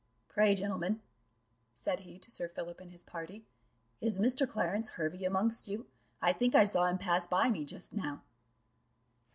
"Pray, gentlemen," said he to Sir Philip and his party, "is Mr. Clarence Hervey amongst you? I think I saw him pass by me just now."